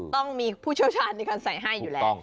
ต้องมีผู้เชียวชาญในนี้ใส่ให้เลย